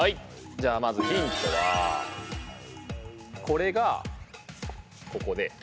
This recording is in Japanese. じゃあまずヒントはこれがここで。